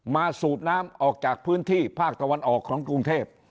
สูบน้ำออกจากพื้นที่ภาคตะวันออกของกรุงเทพ